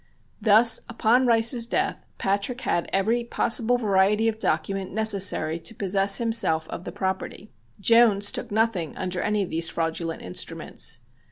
Thus upon Rice's death Patrick had every possible variety of document necessary to possess himself of the property. Jones took nothing under any of these fraudulent instruments.